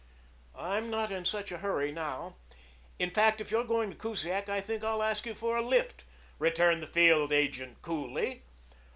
"I'm not in such a hurry now. In fact, if you're going to Kusiak, I think I'll ask you for a lift," returned the field agent coolly.